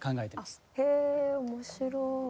へえ面白い。